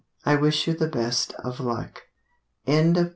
I wish you the best of luck. TO MME.